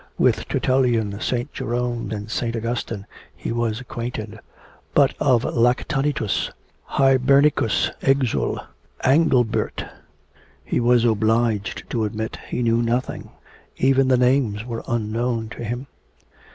With Tertullian, St. Jerome, and St. Augustine, he was acquainted, but of Lactantius Hibernicus Exul, Angilbert, he was obliged to admit he knew nothing even the names were unknown to him.